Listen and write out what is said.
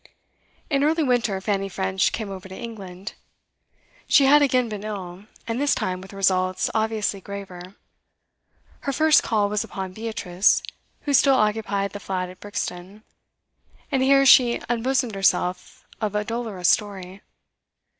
In early winter Fanny French came over to England. She had again been ill, and this time with results obviously graver. Her first call was upon Beatrice, who still occupied the flat at Brixton, and here she unbosomed herself of a dolorous story.